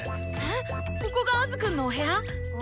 ここがアズくんのお部屋⁉ほほぉ。